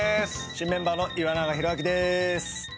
新メンバーの岩永洋昭です。